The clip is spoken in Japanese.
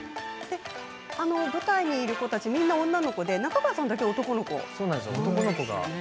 舞台いる子たちみんな女の子で中川さんだけ男の子なんですね。